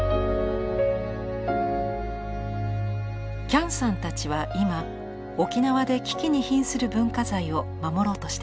喜屋武さんたちは今沖縄で危機にひんする文化財を守ろうとしています。